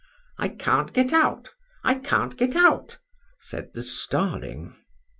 —"I can't get out,—I can't get out," said the starling.